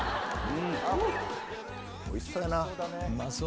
おいしそうやな。